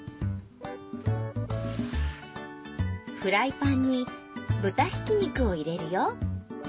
フライパンに豚ひき肉を入れるよ。